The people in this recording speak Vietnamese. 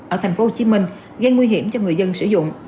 ở thành phố hồ chí minh gây nguy hiểm cho người dân sử dụng